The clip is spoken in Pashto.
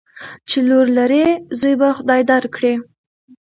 چی لور لرې ، زوم به خدای در کړي.